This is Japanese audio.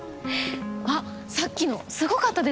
あっさっきのすごかったです。